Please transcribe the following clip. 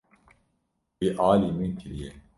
Wî alî min kiriye.